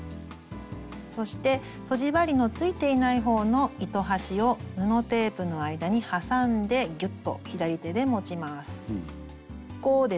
そしてとじ針のついていない方の糸端を布テープの間に挟んでギュッと左手で持ちます。